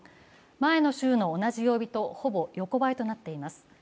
前の週の同じ曜日と、ほぼ横ばいとなっています。